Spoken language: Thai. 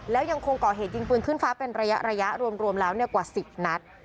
แล้วยังคงก่อเหตุยิงปืนขึ้นฟ้าเป็นระยะรวมแล้วกว่า๑๐นัด